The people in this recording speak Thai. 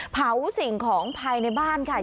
เผาสิ่งของภายในบ้านค่ะ